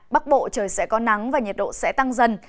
bắc bộ trời sẽ có nắng và nhiệt độ sẽ tăng dần